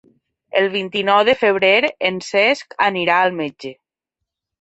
El vint-i-nou de febrer en Cesc anirà al metge.